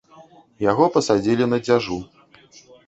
Яго пасадзілі на дзяжу.